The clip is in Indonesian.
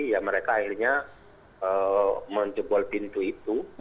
ya mereka akhirnya menjebol pintu itu